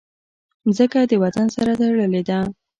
مځکه د وطن سره تړلې ده.